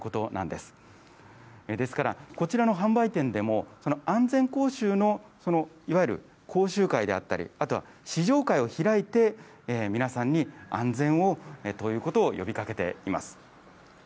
ですから、こちらの販売店でも安全講習のいわゆる講習会であったり、あとは試乗会を開いて、皆さんに安全をということを呼びかけています。